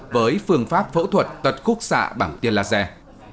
với phương pháp phẫu thuật tật khúc xạ bằng tiên laser